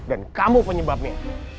dan kamu penyebabnya